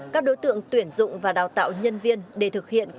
các đối tượng tuyển dụng và đào tạo nhân viên để thực hiện